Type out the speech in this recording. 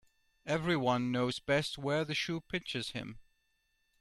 Every one knows best where the shoe pinches him.